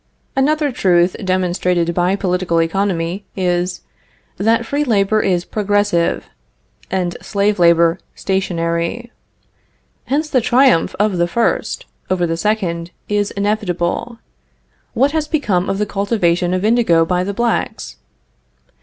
Another truth demonstrated by political economy is, that free labor is progressive, and slave labor stationary. Hence the triumph of the first over the second is inevitable. What has become of the cultivation of indigo by the blacks?